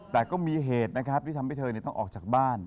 แต่ก็มีเหตุที่ทำให้เธอนี้ต้องออกจากบ้าน